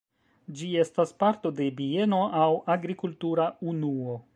Ĝi estas parto de bieno aŭ agrikultura unuo.